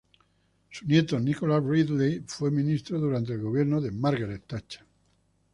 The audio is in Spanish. Su nieto Nicholas Ridley fue ministro durante el gobierno de Margaret Thatcher.